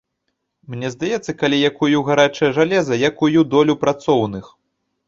Мне здаецца, калі я кую гарачае жалеза, я кую долю працоўных!